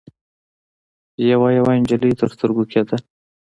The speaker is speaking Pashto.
يوه يوه نجلۍ تر سترګو کېده.